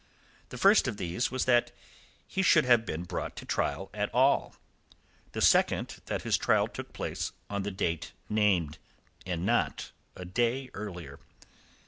The first of these was that he should have been brought to trial at all; the second, that his trial took place on the date named, and not a day earlier.